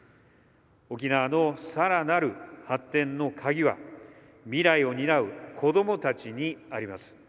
沖縄の更なる発展の鍵は未来を担う子どもたちにあります。